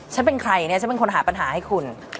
ฉันเป็นใครเนี่ยฉันเป็นคนหาปัญหาให้คุณ